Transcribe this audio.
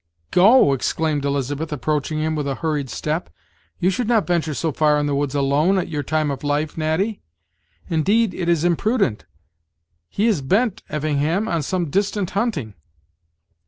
"Go!" exclaimed Elizabeth, approaching him with a hurried step; "you should not venture so far in the woods alone, at your time of life, Natty; indeed, it Is Imprudent, He is bent, Effingham, on some distant hunting."